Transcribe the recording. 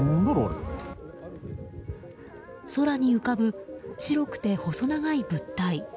空に浮かぶ白くて細長い物体。